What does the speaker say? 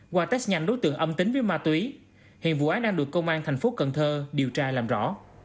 qua test nhanh đối tượng âm tính với ma túy hiện vụ án đang được công an tp cn điều tra làm rõ